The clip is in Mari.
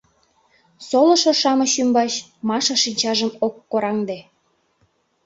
Солышо-шамыч ӱмбач Маша шинчажым ок кораҥде.